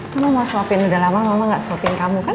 mama mau suapin udah lama mama nggak suapin kamu kan